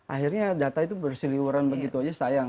akhirnya data itu berseliwuran begitu saja sayang